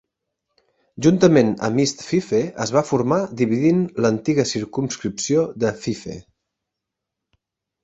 Juntament amb East Fife, es va formar dividint l'antiga circumscripció de Fife.